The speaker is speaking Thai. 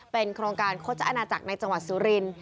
เป็นโครงการโฆษอาณาจักรในจังหวัดสุรินทร์